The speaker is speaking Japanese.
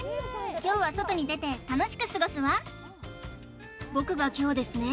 今日は外に出て楽しく過ごすわ僕が凶ですね